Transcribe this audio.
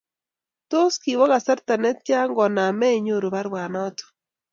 Tos kiwo kasarta ne tya koname inyoru baruet noto?